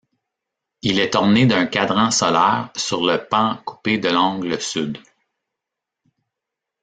Il est orné d’un cadran solaire sur le pan coupé de l’angle sud.